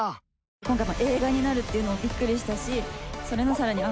今回まあ映画になるっていうのもびっくりしたしそれのさらにアンバサダーを。